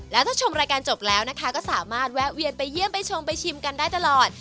แล้วถ้าชมรายการจบแล้วนะคะก็สามารถแวะเวียนไปเยี่ยมไปชมไปชิมกันได้ตลอด